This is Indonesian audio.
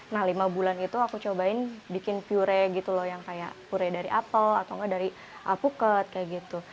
nah lima bulan itu aku cobain bikin pure gitu loh yang kayak pure dari apel atau nggak dari alpukat kayak gitu